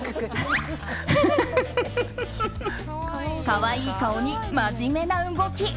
可愛い顔に真面目な動き。